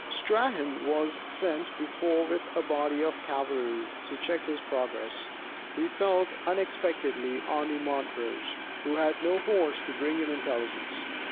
Strahan was sent before with a body of cavalry to check his progress. He fell unexpectedly on Montrose, who had no horse to bring him intelligence.